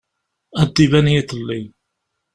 Ad d-iban yiḍelli.